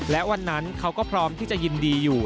และวันนั้นเขาก็พร้อมที่จะยินดีอยู่